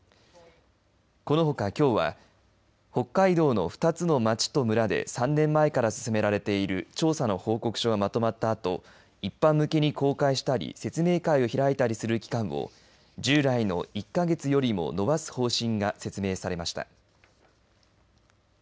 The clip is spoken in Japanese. このほかきょうは北海道の２つの町と村で３年前から進められている調査の報告書がまとまったあと一般向けに公開したり説明会を開いたりする期間を従来の１か月よりも延ばす方針が説明されました。